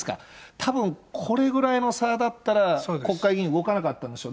たぶん、これぐらいの差だったら、国会議員動かなかったんでしょう。